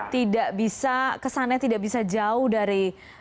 tidak bisa kesannya tidak bisa jauh dari